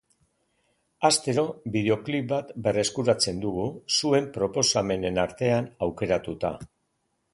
Astero bideoklip bat berreskuratzen dugu, zuen proposamenen artean aukeratuta.